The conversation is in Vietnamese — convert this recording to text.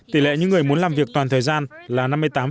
tỷ lệ những người muốn làm việc toàn thời gian là năm mươi tám